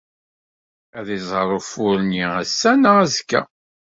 Ad iẓer ufur-nni ass-a neɣ azekka.